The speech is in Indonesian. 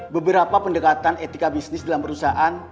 beberapa pendekatan etika bisnis dalam perusahaan